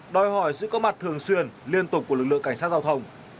đòi hỏi sự có mặt thường xuyên liên tục của lực lượng cảnh sát giao thông